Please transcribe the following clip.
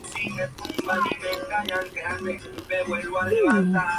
La aceleración es de poca relevancia para la convección.